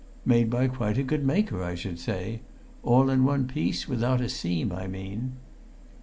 "Made by quite a good maker, I should say. All in one piece, without a seam, I mean."